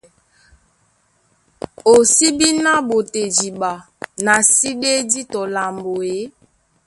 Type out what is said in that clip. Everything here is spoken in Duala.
O sí bí ná ɓotea idiɓa, na sí ɗédi tɔ lambo e?